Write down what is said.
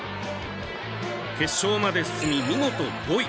決勝まで進み、見事５位。